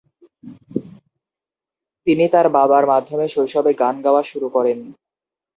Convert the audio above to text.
তিনি তার বাবার মাধ্যমে শৈশবে গান গাওয়া শুরু করেন।